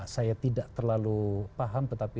saya tidak terlalu paham tetapi